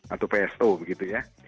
atau pso begitu ya